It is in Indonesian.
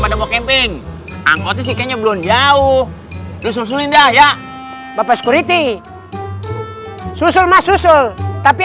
pada mau kemping angkotnya sih kayaknya belum jauh lindah ya bapak security susul susul tapi